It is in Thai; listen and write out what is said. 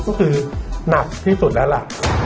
ก็คือหนักที่สุดนั่นแหละ